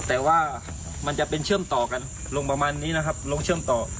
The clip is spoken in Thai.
แต่ว่ามันจะเป็นเชื่อมต่อกันลงประมาณนี้นะครับลงเชื่อมต่อ